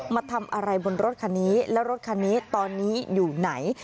มาทำอะไรบนรถคันนี้แล้วรถคันนี้ตอนนี้อยู่ไหน